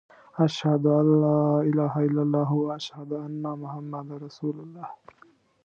اشهد ان لا اله الا الله و اشهد ان محمد رسول الله.